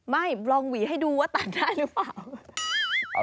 ไม่ลองหวีให้ดูว่าตัดได้หรือเปล่า